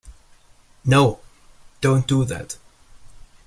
No, don't do that.